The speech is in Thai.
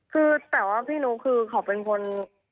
คือแต่ว่าพี่นุ๊กคือเขาเป็นคน